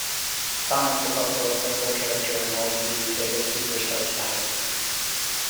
Sonic is also a playable character in all three "Sega Superstars" titles.